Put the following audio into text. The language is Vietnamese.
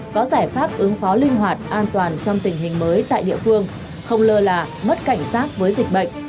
có giải pháp ứng phó linh hoạt an toàn trong tình hình mới tại địa phương không lơ là mất cảnh giác với dịch bệnh